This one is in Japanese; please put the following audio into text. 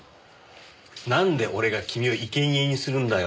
なんで俺が君をいけにえにするんだよ。